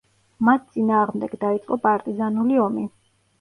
მათ წინააღმდეგ დაიწყო პარტიზანული ომი.